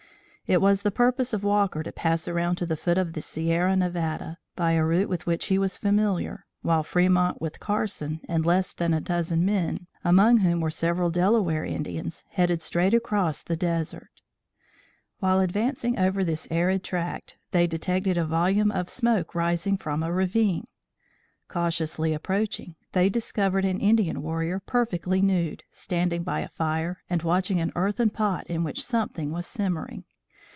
It was the purpose of Walker to pass around to the foot of the Sierra Nevada, by a route with which he was familiar, while Fremont with Carson and less than a dozen men, among whom were several Delaware Indians, headed straight across the desert. While advancing over this arid tract, they detected a volume of smoke rising from a ravine. Cautiously approaching, they discovered an Indian warrior perfectly nude, standing by a fire and watching an earthen pot in which something was simmering.